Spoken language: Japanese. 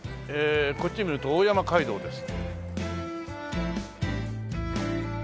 こっち見ると大山街道です。